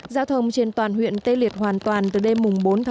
giao thông trên toàn huyện tê liệt hoàn toàn từ đêm bốn một mươi một